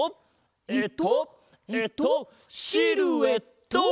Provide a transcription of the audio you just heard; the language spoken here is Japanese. えっとえっとシルエット！